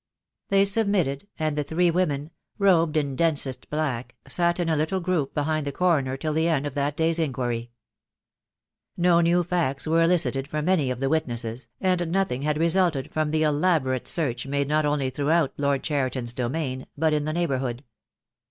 They submitted, and the three women, robed in densest black, sat in a little group behind the Coroner till the end of that day's inquiry. No new facts were elicited from any of the witnesses, and nothing had resulted from the elaborate search made not only throughout Lord Cheriton' s domain, but in the neighbourhood.